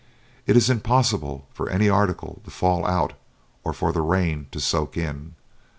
It is impossible for any article to fall out or for the rain to soak in.